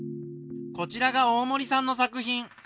こちらが大森さんの作品。